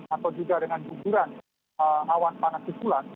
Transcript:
atau juga dengan hujuran awan panas di pulang